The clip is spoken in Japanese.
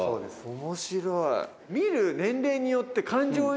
面白い。